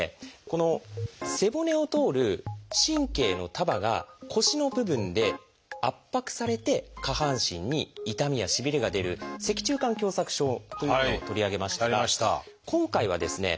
この背骨を通る神経の束が腰の部分で圧迫されて下半身に痛みやしびれが出る「脊柱管狭窄症」というものを取り上げましたが今回はですね